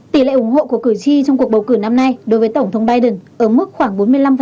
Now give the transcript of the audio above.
tỷ lệ ủng hộ của cử tri trong cuộc bầu cử năm nay đối với tổng thống biden ở mức khoảng bốn mươi năm